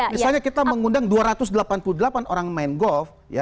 misalnya kita mengundang dua ratus delapan puluh delapan orang main golf